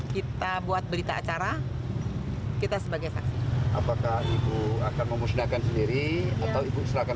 kita buat berita acara kita sebagai saksi